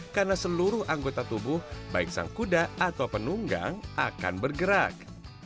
karena seluruh anggota tubuh baik sang kuda atau penunggang akan bergerak